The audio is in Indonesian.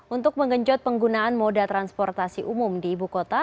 untuk mengenjot penggunaan moda transportasi umum di ibu kota